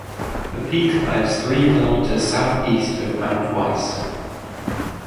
The peak lies three kilometers southeast of Mount Weiss.